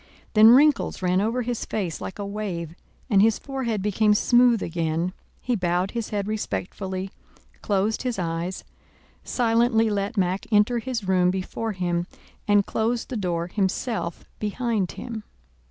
Then wrinkles ran over his face like a wave and his forehead became smooth again, he bowed his head respectfully, closed his eyes, silently let Mack enter his room before him, and closed the door himself behind him.